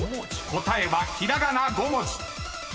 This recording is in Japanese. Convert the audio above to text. ［答えはひらがな５文字］